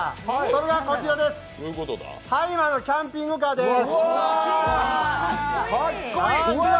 それがこちらです、ハイマーのキャンピングカーです。